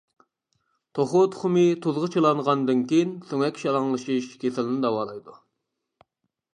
توخۇ تۇخۇمى تۇزغا چىلانغاندىن كېيىن سۆڭەك شالاڭلىشىش كېسىلىنى داۋالايدۇ.